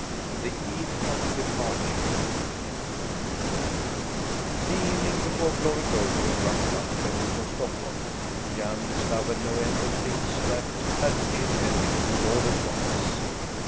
THE EVE OF DEPARTURE The evening before Glory Goldie of Ruffluck left for Stockholm Jan discovered no end of things that had to be attended to all at once.